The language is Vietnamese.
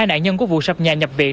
hai nạn nhân của vụ sập nhà nhập viện